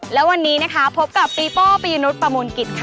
และวันนี้นะคะพบกับปีโป้ปียนุษย์ประมูลกิจค่ะ